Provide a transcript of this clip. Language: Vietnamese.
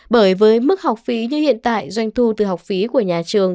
bởi với mức học phí như hiện tại doanh thu từ học phí của nhà trường